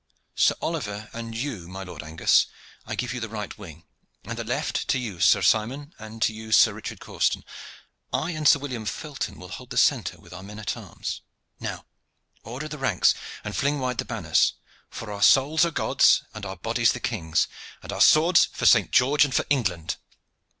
Sir Oliver and you, my Lord Angus, I give you the right wing, and the left to you, Sir Simon, and to you, Sir Richard Causton. I and Sir William Felton will hold the centre with our men at arms. Now order the ranks, and fling wide the banners, for our souls are God's and our bodies the king's, and our swords for Saint George and for England!"